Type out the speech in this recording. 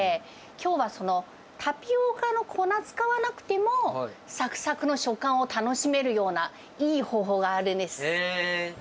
きょうはそのタピオカの粉使わなくても、さくさくの食感を楽しめるような、いい方法があるんです。